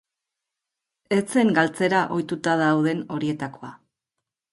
Ez zen galtzera ohituta dauden horietakoa.